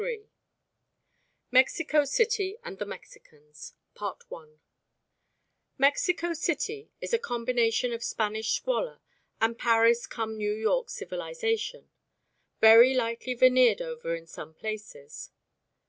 CHAPTER II MEXICO CITY AND THE MEXICANS Mexico city is a combination of Spanish squalor and Paris cum New York civilisation very lightly veneered over in some places.